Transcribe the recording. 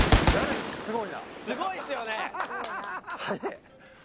すごいっすよね